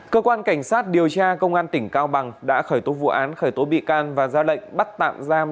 cơ quan cảnh sát điều tra công an tỉnh cao bằng đã khởi tố vụ án khởi tố bị can và ra lệnh bắt tạm giam